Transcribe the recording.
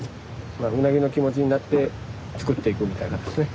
まあウナギの気持ちになって作っていくみたいなですね。